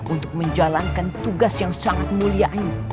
untuk menjalankan tugas yang sangat mulia ini